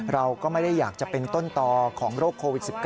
เราก็ไม่ได้อยากจะเป็นต้นต่อของโรคโควิด๑๙